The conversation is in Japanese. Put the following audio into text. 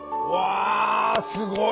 えすごい。